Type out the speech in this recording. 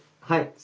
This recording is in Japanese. はい！